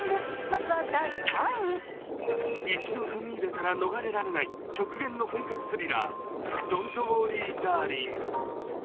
一度踏み入れたら逃れられない極限の本格スリラー、「ドント・ウォーリー・ダーリン」。